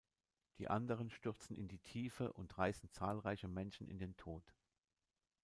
Die anderen stürzen in die Tiefe und reißen zahlreiche Menschen in den Tod.